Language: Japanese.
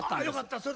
よかった。